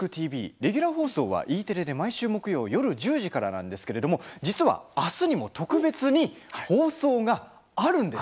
レギュラー放送はＥテレで毎週木曜夜１０時からなんですが実はあすも特別に放送があるんです。